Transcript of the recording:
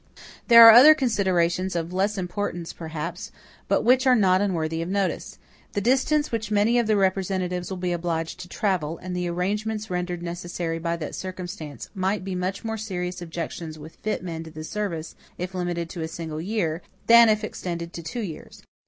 There are other considerations, of less importance, perhaps, but which are not unworthy of notice. The distance which many of the representatives will be obliged to travel, and the arrangements rendered necessary by that circumstance, might be much more serious objections with fit men to this service, if limited to a single year, than if extended to two years.